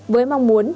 với mong muốn